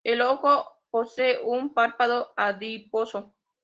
El ojo posee un párpado adiposo.